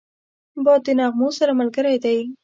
باد د نغمو سره ملګری دی